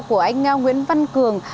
của anh nga nguyễn văn cường